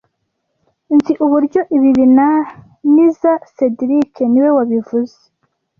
Nzi uburyo ibi binaniza cedric niwe wabivuze